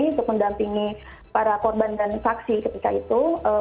untuk mendampingi para korban dan saksi ketika itu